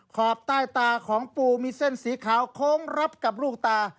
ขอบใต้ตาของปูมีเส้นสีขาวโค้งรับกับลูกตา